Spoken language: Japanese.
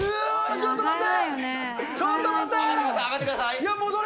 ちょっと待って。